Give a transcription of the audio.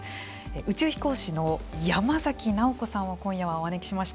宇宙飛行士の山崎直子さんを今夜はお招きしました。